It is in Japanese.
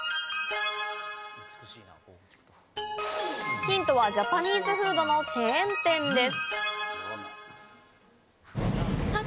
ヒントはジャパニーズフードのチェーン店です。